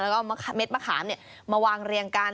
แล้วก็เม็ดมะขามมาวางเรียงกัน